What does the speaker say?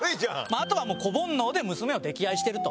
あとは子煩悩で娘を溺愛してると。